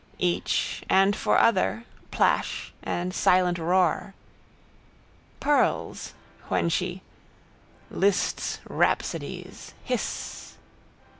Each, and for other, plash and silent roar. Pearls: when she. Liszt's rhapsodies. Hissss.